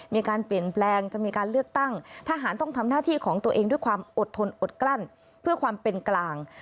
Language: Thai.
มีการเปลี่ยนแปลงจะมีการเลือกตั้งทหารต้องทำหน้าที่ของตัวเองด้วยความอดทนอดกลั้นเพื่อความเป็นกลาง